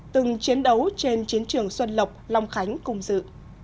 từng chiến đấu trên chiến trường xuân lộc long khánh cùng dự